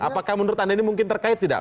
apakah menurut anda ini mungkin terkait tidak